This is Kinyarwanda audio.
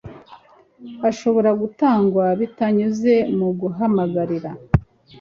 ashobora gutangwa bitanyuze mu guhamagarira